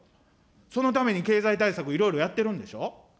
そのために経済対策、いろいろやってるんでしょう。